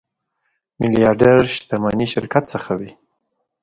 میلیاردر شتمني شرکت څخه وي.